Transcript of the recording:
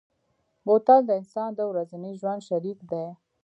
بوتل د انسان د ورځني ژوند شریک دی.